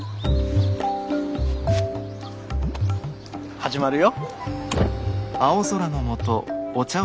始まるよ。